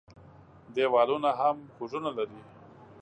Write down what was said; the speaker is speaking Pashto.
دېوالونه هم غوږونه لري.